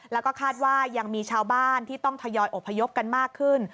แล้วก็คาดว่ายังมีชาวบ้านที่ต้องทยอยอบพยพกันมากขึ้น